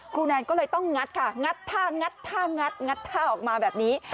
แนนก็เลยต้องงัดค่ะงัดท่างัดท่างัดงัดท่าออกมาแบบนี้